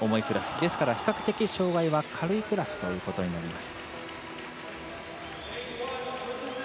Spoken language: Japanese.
ですから比較的障がいは軽いクラスとなります。